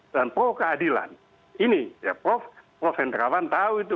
dan pro keadilan ini prof prof vendrawan tahu itu